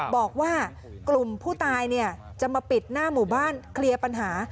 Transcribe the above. บอกว่ากลุ่มผู้ตายจะมาปิดหน้าหมู่บ้านเคลียร์ปัญหา